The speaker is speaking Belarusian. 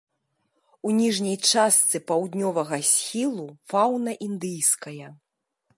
У ніжняй частцы паўднёвага схілу фаўна індыйская.